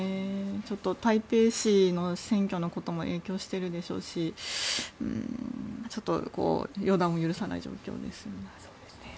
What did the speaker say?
ちょっと台北市の選挙のことも影響しているでしょうし予断を許さない状況ですね。